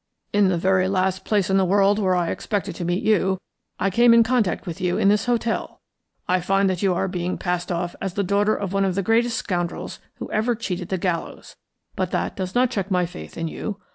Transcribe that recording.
In the very last place in the world where I expect to meet you, I come in contact with you in this hotel. I find that you are being passed off as the daughter of one of the greatest scoundrels who ever cheated the gallows. But that does not check my faith in you.